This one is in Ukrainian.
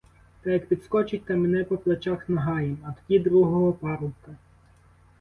Та як підскочить та мене по плечах нагаєм, а тоді другого парубка.